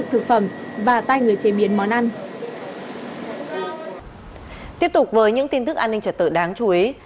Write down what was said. tiếp tục với những tin tức an ninh trật tự đáng chú ý